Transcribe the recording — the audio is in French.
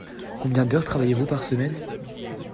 Combien d’heures travaillez-vous par semaine ?